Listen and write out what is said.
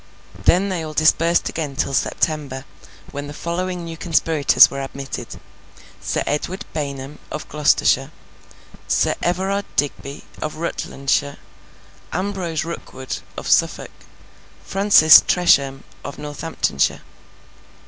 Then they all dispersed again till September, when the following new conspirators were admitted; Sir Edward Baynham, of Gloucestershire; Sir Everard Digby, of Rutlandshire; Ambrose Rookwood, of Suffolk; Francis Tresham, of Northamptonshire.